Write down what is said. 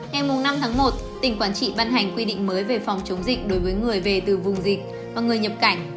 ngay mùng năm tháng một tỉnh quảng trị ban hành quy định mới về phòng chống dịch đối với người về từ vùng dịch và người nhập cảnh